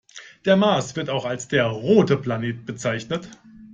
Der Mars wird auch als der „rote Planet“ bezeichnet.